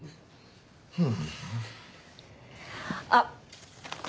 あっ！